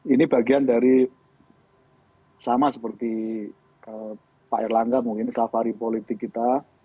ini bagian dari sama seperti pak erlangga mungkin safari politik kita